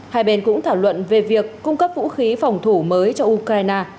hai bên cũng thảo luận về việc cung cấp vũ khí phòng thủ mới cho ukraine